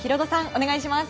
お願いします。